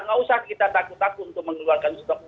gak usah kita takut takut untuk mengeluarkan stok